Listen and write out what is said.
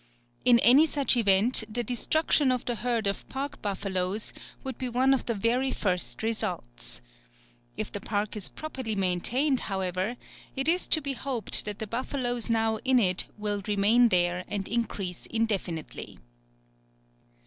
In any such event, the destruction of the herd of park buffaloes would be one of the very first results. If the park is properly maintained, however, it is to be hoped that the buffaloes now in it will remain there and increase indefinitely.